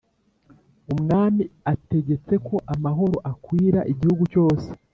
umwami ategetse ko amahoro akwira igihugu cyose.